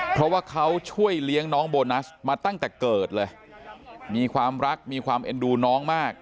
เพราะว่าเขาช่วยเลี้ยงน้องโบนัสมาตั้งแต่เกิดเลยมีความรักมีความเอ็นดูน้องมาก